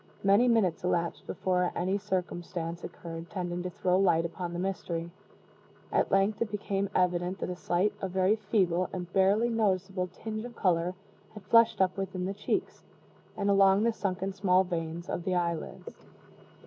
Many minutes elapsed before any circumstance occurred tending to throw light upon the mystery. At length it became evident that a slight, a very feeble, and barely noticeable tinge of color had flushed up within the cheeks, and along the sunken small veins of the eyelids.